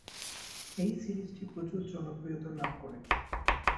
এই সিরিজটি প্রচুর জনপ্রিয়তা লাভ করে।